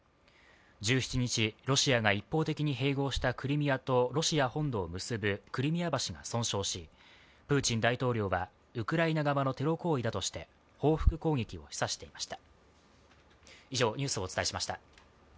１７日、ロシアが一方的に併合したクリミアとロシア本土を結ぶクリミア橋が損傷し、プーチン大統領はウクライナ側のテロ行為だとして報復攻撃を示唆していました。